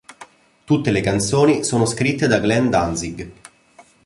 Tutte le canzoni sono scritte da Glenn Danzig.